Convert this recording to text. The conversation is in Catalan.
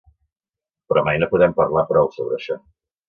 Però mai no podem parlar prou sobre això.